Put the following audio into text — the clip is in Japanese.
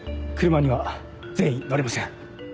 車には全員乗れません